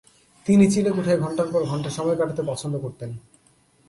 তিনি চিলেকোঠায় ঘণ্টার পর ঘণ্টা সময় কাটাতে পছন্দ করতেন।